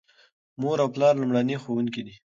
مور او پلار لومړني ښوونکي دي.